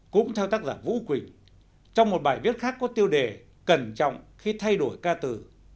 cũng theo tác giả vũ quỳnh trong một bài viết khác có tiêu đề cẩn trọng khi thay đổi ca từ